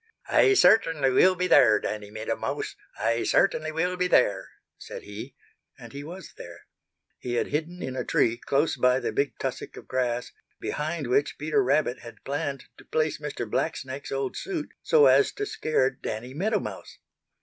"I certainly will be there, Danny Meadow Mouse, I certainly will be there," said he. And he was there. He had hidden in a tree close by the big tussock of grass, behind which Peter Rabbit had planned to place Mr. Blacksnake's old suit so as to scare Danny Meadow Mouse.